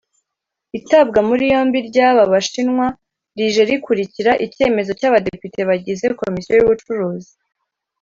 Itabwa muri yombi ry’aba bashinwa rije rikurikira icyemezo cy’Abadepite bagize Komisiyo y’Ubucuruzi